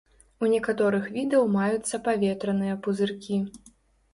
У некаторых відаў маюцца паветраныя пузыркі.